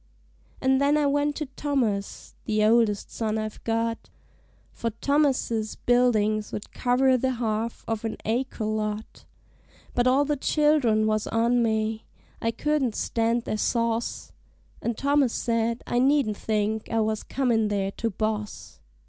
An' then I went to Thomas, the oldest son I've got, For Thomas's buildings'd cover the half of an acre lot; But all the child'rn was on me I couldn't stand their sauce And Thomas said I needn't think I was comin' there to boss.